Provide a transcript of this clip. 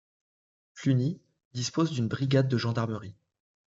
Cluny dispose d'une brigade de gendarmerie.